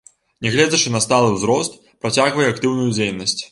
Нягледзячы на сталы ўзрост, працягвае актыўную дзейнасць.